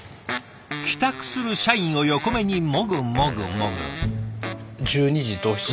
帰宅する社員を横目にもぐもぐもぐ。